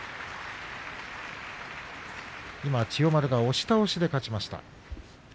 今、千代丸が押し倒して勝ちました。